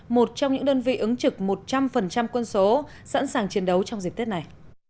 một trong những đơn vị ứng trực một trăm linh quân số sẵn sàng chiến đấu trong dịp tết này